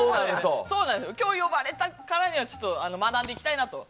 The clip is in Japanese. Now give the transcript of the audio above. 今日、呼ばれたからには学んでいきたいなと。